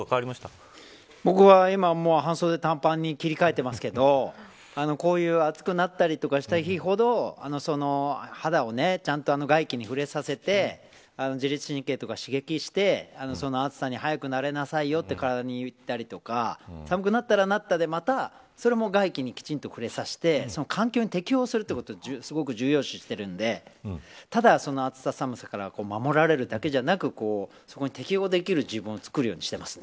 僕はもう半袖、短パンに切り替えていますけどこういう暑くなったりとかした日ほど肌をちゃんと外気に触れさせて自律神経とか刺激してその暑さに早く慣れなさいよと体に言ったりとか寒くなったらなったでまたそれも外気にきちんと触れさせて環境に適応するのをすごく重要視しているのでただ、暑さ寒さから守られるだけではなく適用できる自分をつくるようにしてます。